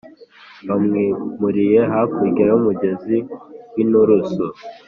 babwimuriye hakurya y’umugezi w’inturusu.